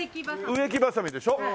植木ばさみでしょ。